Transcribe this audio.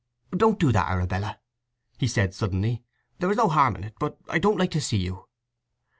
"Don't do that, Arabella!" he said suddenly. "There is no harm in it, but—I don't like to see you."